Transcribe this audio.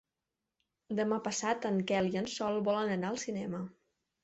Demà passat en Quel i en Sol volen anar al cinema.